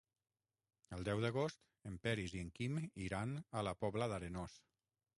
El deu d'agost en Peris i en Quim iran a la Pobla d'Arenós.